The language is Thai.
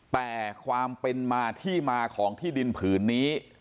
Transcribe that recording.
แต่ความเป็นมาที่มาของที่ดินผืนนี้